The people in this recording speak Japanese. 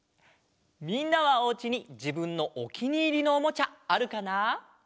みんなはおうちにじぶんのおきにいりのおもちゃあるかな？